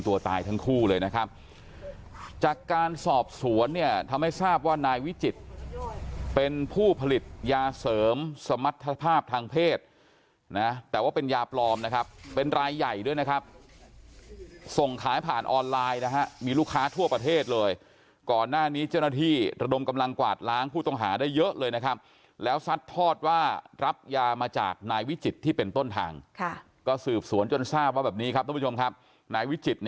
ตัวตายทั้งคู่เลยนะครับจากการสอบสวนเนี่ยทำให้ทราบว่านายวิจิตรเป็นผู้ผลิตยาเสริมสมรรถภาพทางเพศนะแต่ว่าเป็นยาปลอมนะครับเป็นรายใหญ่ด้วยนะครับส่งขายผ่านออนไลน์นะฮะมีลูกค้าทั่วประเทศเลยก่อนหน้านี้เจ้าหน้าที่ระดมกำลังกวาดล้างผู้ต้องหาได้เยอะเลยนะครับแล้วซัดทอดว่ารับยามาจากนายวิจิตรที่เป็นต้นทางค่ะก็สืบสวนจนทราบว่าแบบนี้ครับทุกผู้ชมครับนายวิจิต